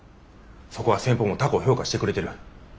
そこは先方も高う評価してくれとる。